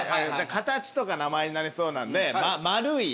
形とか名前になりそうなんで。